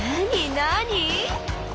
何？